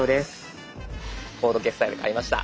コード決済で買いました。